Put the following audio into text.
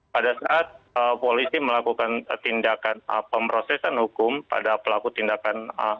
pada saat polisi melakukan tindakan pemrosesan hukum pada pelaku tindakan